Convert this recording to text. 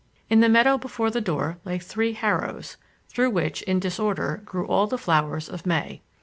In the meadow before the door lay three harrows, through which, in disorder, grew all the flowers of May.